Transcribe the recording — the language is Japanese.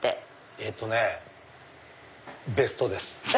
えっとねベストです。